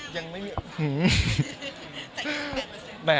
หืม